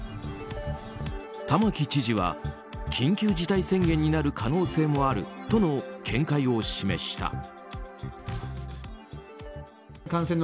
玉城知事は緊急事態宣言になる可能性もあるとの見解を示した。